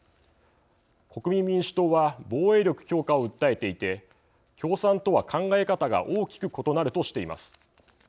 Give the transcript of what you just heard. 国民民主党は防衛力強化を訴えていて共産とは考え方が大きく異なるとしています。